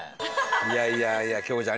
いやいやいや京子ちゃん